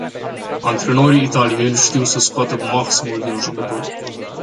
Antrenorii italieni știu să scoată maximul din jucători.